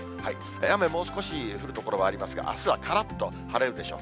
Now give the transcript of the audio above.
雨、もう少し降る所はありますが、あすはからっと晴れるでしょう。